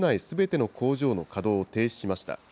すべての工場で稼働を再開しました。